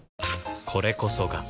これこそが